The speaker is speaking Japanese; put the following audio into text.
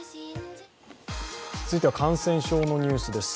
続いては感染症のニュースです。